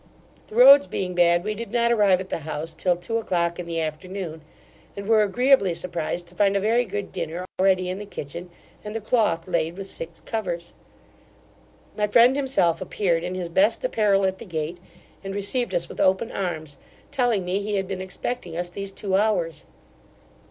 The roads being bad, we did not arrive at the house till two o'clock in the afternoon; and were agreeably surprised to find a very good dinner ready in the kitchen, and the cloth laid with six covers. My friend himself appeared in his best apparel at the gate, and received us with open arms, telling me he had been expecting us these two hours.